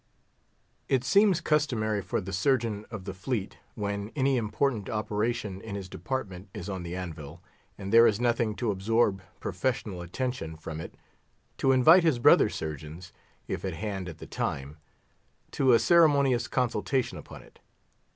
It seems customary for the Surgeon of the Fleet, when any important operation in his department is on the anvil, and there is nothing to absorb professional attention from it, to invite his brother surgeons, if at hand at the time, to a ceremonious consultation upon it.